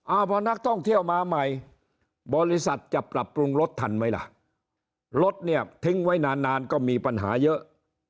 เอาพอนักท่องเที่ยวมาใหม่บริษัทจะปรับปรุงรถทันไหมล่ะรถเนี่ยทิ้งไว้นานนานก็มีปัญหาเยอะ